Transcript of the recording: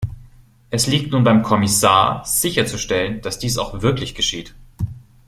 Es liegt nun beim Kommissar, sicherzustellen, dass dies auch wirklich geschieht.